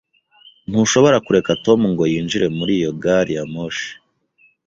Ntushobora kureka Tom ngo yinjire muri iyo gari ya moshi.